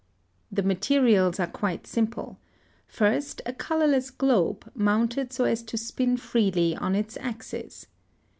] (103) The materials are quite simple. First a colorless globe, mounted so as to spin freely on its axis.